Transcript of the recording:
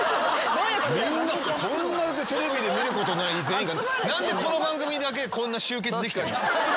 テレビで見ることない全員が何でこの番組だけこんな集結できてる？